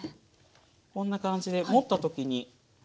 こんな感じで持った時に。